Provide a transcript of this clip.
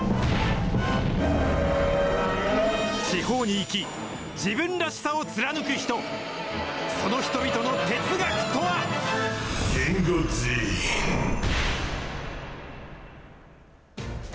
地方に生き、自分らしさを貫く人、その人々の哲学とは。